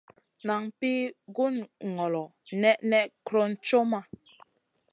Nan ma pi gun ŋolo nèʼnèʼ kron co maʼa.